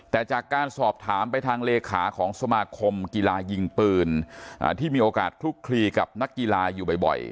แต่จากการสอบถามไปทางเลขาของสมาคมกีฬายิงปืนที่มีโอกาสคลุกคลีกับนักกีฬาอยู่บ่อย